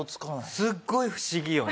すっごい不思議よね。